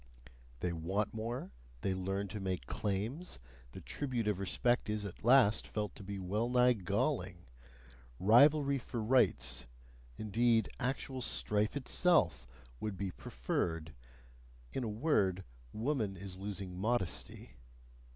They want more, they learn to make claims, the tribute of respect is at last felt to be well nigh galling; rivalry for rights, indeed actual strife itself, would be preferred: in a word, woman is losing modesty.